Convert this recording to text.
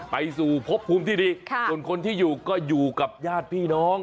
ไปสู่พบภูมิที่ดีส่วนคนที่อยู่ก็อยู่กับญาติพี่น้อง